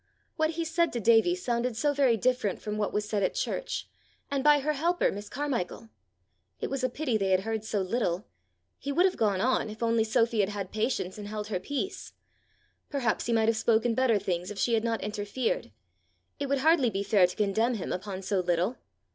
what he said to Davie sounded so very different from what was said at church, and by her helper, Miss Carmichael! It was a pity they had heard so little! He would have gone on if only Sophy had had patience and held her peace! Perhaps he might have spoken better things if she had not interfered! It would hardly be fair to condemn him upon so little!